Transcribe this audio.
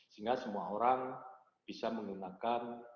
sehingga semua orang bisa menggunakan